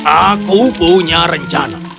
aku punya rencana